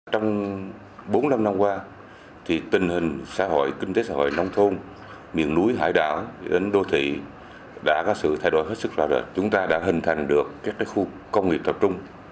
trong bốn năm năm qua tình hình xã hội kinh tế xã hội nông thôn miền núi hải đảo đến đô thị đã có sự thay đổi hết sức chúng ta đã hình thành được các khu công nghiệp tập trung